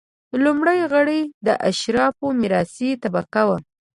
لومړي غړي د اشرافو میراثي طبقه وه.